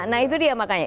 nah itu dia makanya